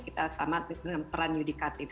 kita sama dengan peran yudikatif